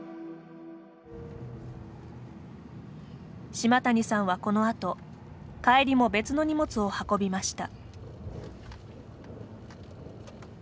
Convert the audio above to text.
島谷さんはこのあと帰りも別の荷物を運びました。